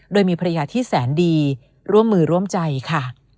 โดยมีภรรยาที่แสนดีร่วมมือร่วมใจค่ะ